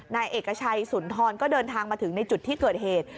นายเอกชัยสุนทรก็เดินทางมาถึงในจุดที่เกิดเหตุ